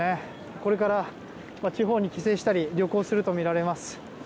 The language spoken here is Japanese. これから地方に帰省したり旅行するとみられます。